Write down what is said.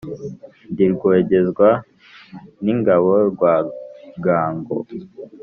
Ndi Rwogezwa n'ingabo rwa Ngango,